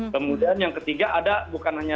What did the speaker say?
kemudian yang ketiga ada bukan hanya